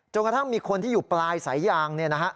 กระทั่งมีคนที่อยู่ปลายสายยางเนี่ยนะฮะ